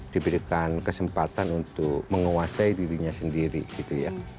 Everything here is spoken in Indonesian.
diberikan kesempatan untuk menguasai dirinya sendiri gitu ya